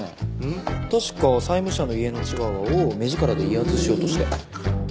確か債務者の家のチワワを目力で威圧しようとして。